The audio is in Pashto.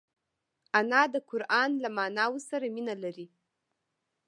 انا د قران له معناوو سره مینه لري